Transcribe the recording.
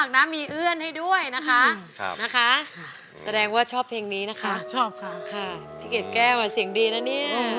พี่เกดแก้วอ่ะเสียงดีนะเนี่ย